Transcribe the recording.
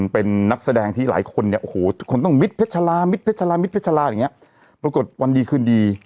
เป็นนักแสดงที่หลายคนเนี่ยโหทุกคนต้องมิตรเพชรชามิตรเพชรชาปรากฏวันดีคือดี